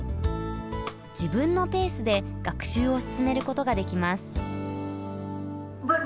自分のペースで学習を進めることができます。